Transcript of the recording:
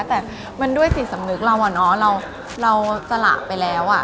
แต่มันด้วยสิทธิ์สำนึกเราเราสละไปแล้ว